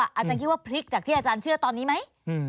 อาจารย์คิดว่าพลิกจากที่อาจารย์เชื่อตอนนี้ไหม